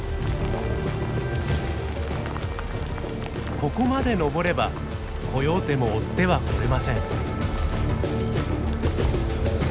ここまで登ればコヨーテも追ってはこれません。